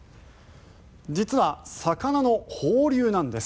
実は、魚の放流なんです。